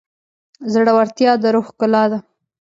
زړورتیا د روح ښکلا ده.